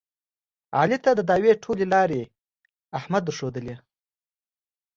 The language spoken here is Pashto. علي ته د دعوې ټولې لارې احمد ورښودلې.